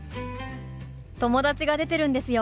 友達が出てるんですよ。